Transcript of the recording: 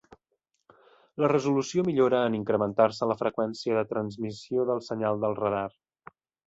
La resolució millora en incrementar-se la freqüència de transmissió del senyal del radar.